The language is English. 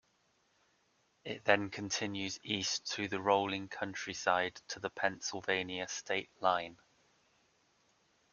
It then continues east through the rolling countryside to the Pennsylvania state line.